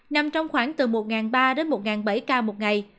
nằm trong khoảng từ một ba trăm linh đến một bảy trăm linh ca một ngày